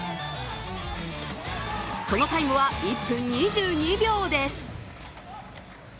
そのタイムは１分２２秒です。